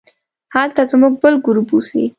هلته زموږ بل ګروپ اوسي.